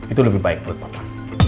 itu lebih baik menurut bapak